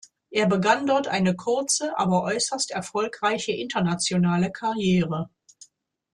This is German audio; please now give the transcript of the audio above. Er begann dort eine kurze, aber äußerst erfolgreiche internationale Karriere.